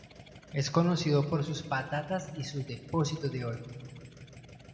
Es conocido por sus patatas y sus depósitos de oro.